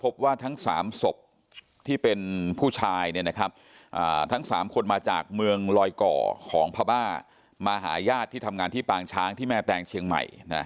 พบว่าทั้ง๓ศพที่เป็นผู้ชายทั้ง๓คนมาจากเมืองลอยก่อของพม่ามาหาญาติที่ทำงานที่ปางช้างที่แม่แตงเชียงใหม่